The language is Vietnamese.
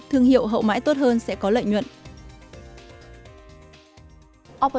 thương hiệu hậu mãi tốt hơn sẽ có lợi nhuận